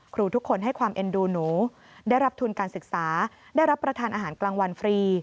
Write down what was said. ทุกคนให้ความเอ็นดูหนูได้รับทุนการศึกษาได้รับประทานอาหารกลางวันฟรี